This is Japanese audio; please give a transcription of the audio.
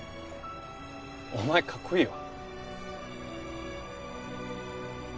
お前かっこいいよ。